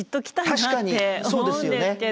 確かにそうですよね。